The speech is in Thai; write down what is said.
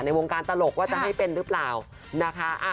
วงการตลกว่าจะให้เป็นหรือเปล่านะคะ